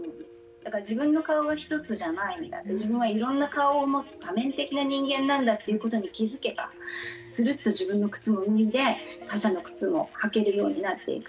だから自分の顔は１つじゃないんだ自分はいろんな顔を持つ多面的な人間なんだっていうことに気付けばするっと自分の靴も脱いで他者の靴も履けるようになっていく。